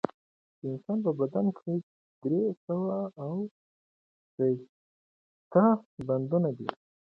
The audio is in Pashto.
د انسان په بدن کښي درې سوه او شپېته بندونه دي